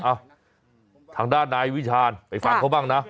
อ่ะทางด้านนายวิชาญไปฟังเขาบ้างนะ